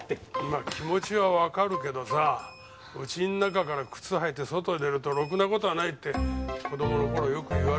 まあ気持ちはわかるけどさあうちの中から靴はいて外へ出るとろくな事はないって子供の頃よく言われたもんだ。